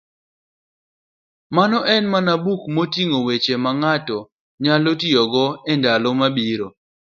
Memo en buk moting'o weche mang'ato nyalo tiyogo e ndalo mabiro.